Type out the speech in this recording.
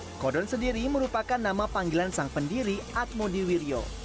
mikodon sendiri merupakan nama panggilan sang pendiri atmo diwiryo